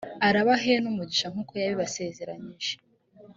arabahe n’umugisha nk’uko yabibasezeranyije.